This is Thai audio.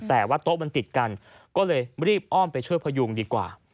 แต่ว่าโต๊ะมันติดกันก็เลยรีบอ้อมไปช่วยพยุงดีกว่า